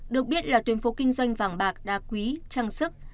được biết là tuyến phố kinh doanh vàng bạc đa quý trang sức